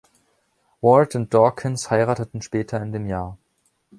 Ward und Dawkins heirateten später in dem Jahr.